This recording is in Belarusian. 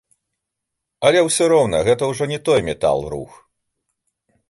Але ўсё роўна гэта ўжо не той метал-рух.